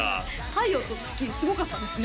太陽と月すごかったですね